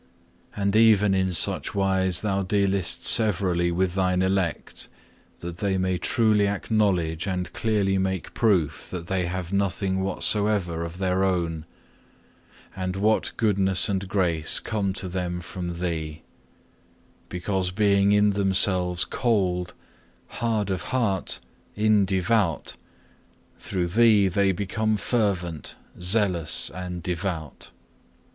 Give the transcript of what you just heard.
And even in such wise Thou dealest severally with Thine elect, that they may truly acknowledge and clearly make proof that they have nothing whatsoever of their own, and what goodness and grace come to them from Thee; because being in themselves cold, hard of heart, indevout, through Thee they become fervent, zealous, and devout.